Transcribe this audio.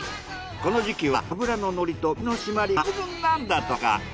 この時期は脂の乗りと身の締まりが抜群なんだとか。